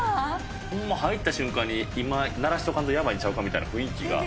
ホンマ入った瞬間に今鳴らしとかんとやばいんちゃうかみたいな雰囲気が。